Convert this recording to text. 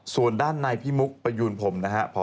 ส่วนด้านในพี่มุกประยูนผมนะครับ